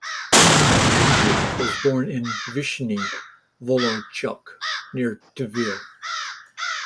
Anjou was born in Vyshny Volochyok, near Tver.